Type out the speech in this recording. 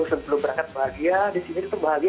sebelum berangkat bahagia di sini tetap bahagia